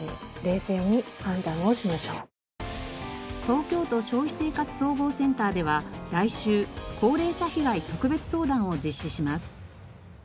東京都消費生活総合センターでは来週高齢者被害特別相談を実施します。